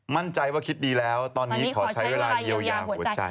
มั่นใจว่าคิดดีแล้วตอนนี้ขอใช้เวลาเยียวยาหัวใจ